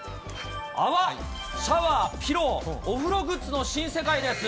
泡、シャワー、ピロー、お風呂グッズの新世界です。